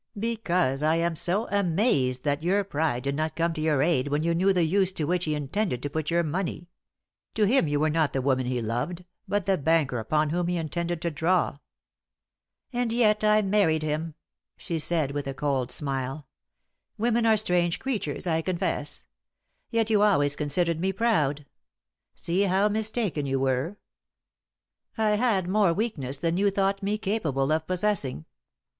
"Because I am so amazed that your pride did not come to your aid when you knew the use to which he intended to put your money. To him you were not the woman he loved but the banker upon whom he intended to draw." "And yet I married him," she said, with a cold smile. "Women are strange creatures, I confess. Yet you always considered me proud. See how mistaken you were! I had more weakness than you thought me capable of possessing.